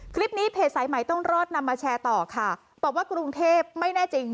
คลิปนี้เพจสายใหม่ต้องรอดนำมาแชร์ต่อค่ะบอกว่ากรุงเทพไม่แน่จริง